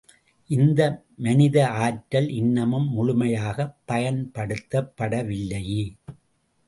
இந்த மனித ஆற்றல் இன்னமும் முழுமையாகப் பயன்படுத்தப் படவில்லையே!